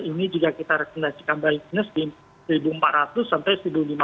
ini juga kita rekomendasikan balikness di seribu empat ratus sampai seribu lima ratus